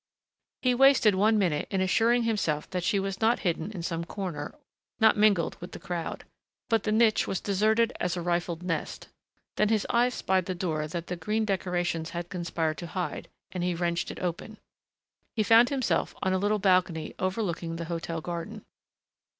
He wasted one minute in assuring himself that she was not hidden in some corner, not mingled with the crowd. But the niche was deserted as a rifled nest. Then his eyes spied the door that the green decorations had conspired to hide and he wrenched it open. He found himself on a little balcony overlooking the hotel garden.